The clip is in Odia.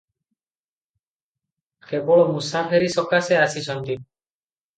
କେବଳ ମୂସାଫେରି ସକାଶେ ଆସିଛନ୍ତି ।